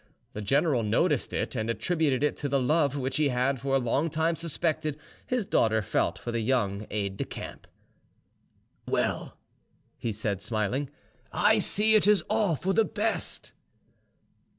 The general noticed it, and attributed it to the love which he had for a long time suspected his daughter felt for the young aide de camp. "Well," he said, smiling, "I see it is all for the best."